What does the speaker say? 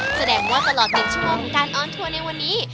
แสดงว่าตลอดเดียวกันช่วงการออนทัวร์ในวันนี้